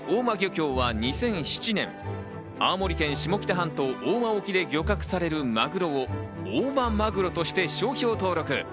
さらに大間漁協は２００７年、青森県下北半島大間沖で漁獲されるマグロを「大間まぐろ」として商標登録。